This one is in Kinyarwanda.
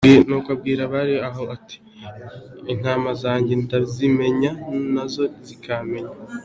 Nuko abwira abari aho ati: "Intama zanjye ndazimenya nazo zikamenya. "